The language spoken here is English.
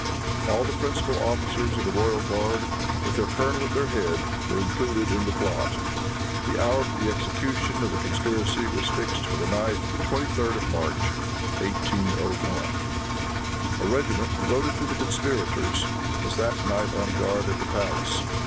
All the principal officers of the royal guard, with their colonel at their head, were included in the plot. The hour for the execution of the conspiracy was fixed for the night of the 23d of March, 1801. A regiment devoted to the conspirators was that night on guard at the palace.